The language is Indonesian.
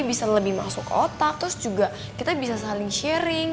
bisa lebih masuk otak terus juga kita bisa saling sharing